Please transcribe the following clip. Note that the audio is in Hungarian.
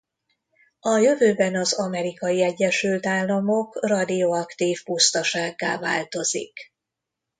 A jövőben az Amerikai Egyesült Államok radioaktív pusztasággá változik.